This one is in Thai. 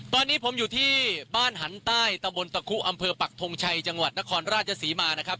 ตอนนี้ผมอยู่ที่บ้านหันใต้ตะบนตะคุอำเภอปักทงชัยจังหวัดนครราชศรีมานะครับ